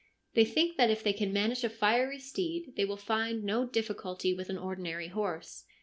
They think that if they can manage a fiery steed they will find no difficulty with an ordinary horse.